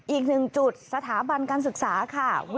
อีกหนึ่งจุดสถาบันการศึกษาค่ะ